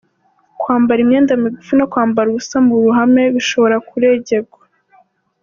Kwambara imyenda migufi no kwambara ubusa mu ruhame bishobora kuregerwa.